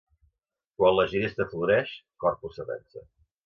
Quan la ginesta floreix, Corpus s'atansa.